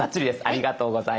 ありがとうございます。